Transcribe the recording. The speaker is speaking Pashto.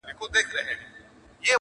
پـــۀ علاج علاج مــې مــــه بـیـمــاروه